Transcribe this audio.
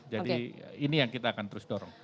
jadi ini yang kita akan terus dorong